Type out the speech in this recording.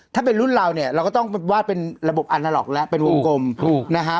ถ้าเป็นรุ่นเราเนี่ยเราก็ต้องวาดเป็นระบบอันนาล็อกแล้วเป็นวงกลมถูกนะฮะ